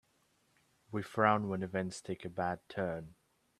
We frown when events take a bad turn.